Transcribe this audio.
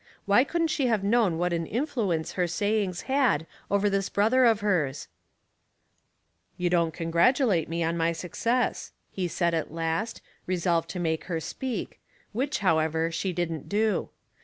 Why 120 Household Puzzles, couldn't she have known what an influence het sayings had over this brother of hers ?" You don't congratulate me on my success," he said at last, resolved to make her speak, which however, she didn't do.